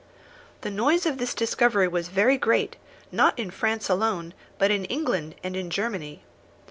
The noise of this discovery was very great, not in France alone, but in England and in Germany.